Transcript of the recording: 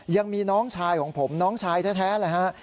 ยังมีน้องชายของผมน้องชายแท้เลยฮะ